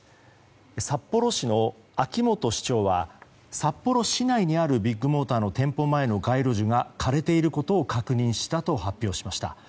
札幌市の秋元市長は札幌市内にあるビッグモーターの店舗前の街路樹が枯れていることを確認したと発表しました。